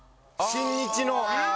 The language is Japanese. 新日の！